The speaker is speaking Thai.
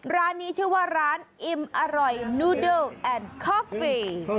ร้านนี้ชื่อว่าร้านอิ่มอร่อยนูเดลแอนดคอฟฟี